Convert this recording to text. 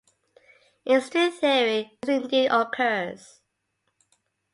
In string theory, this indeed occurs.